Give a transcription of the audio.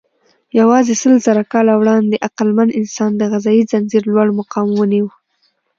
یواځې سلزره کاله وړاندې عقلمن انسان د غذایي ځنځير لوړ مقام ونیو.